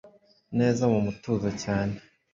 neza mu mutuzo cyane